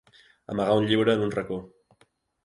Amagar un llibre en un racó.